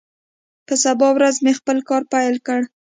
په سبا ورځ مې خپل کار پیل کړ.